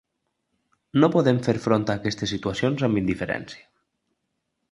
No podem fer front a aquestes situacions amb indiferència.